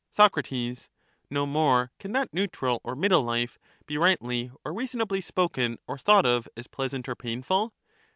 Soc, No more can that neutral or middle life be rightly or reasonably spoken or thought of as pleasant or painful.